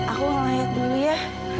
aku mau lihat dulu ya